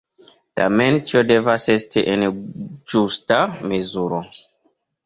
Tamen ĉio devas esti en ĝusta mezuro.